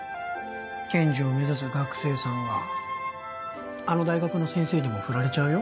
検事を目指す学生さんがあの大学の先生にもふられちゃうよ